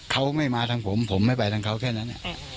เขาไม่มาทางผมผมไม่ไปทางเขาแค่นั้น